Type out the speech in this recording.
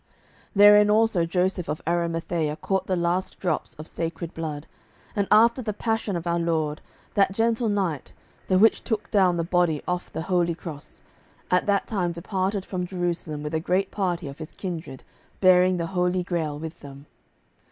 Therein also Joseph of Arimathea caught the last drops of sacred blood, and after the passion of our Lord that gentle knight, the which took down the body off the holy cross, at that time departed from Jerusalem with a great party of his kindred, bearing the Holy Grail with them.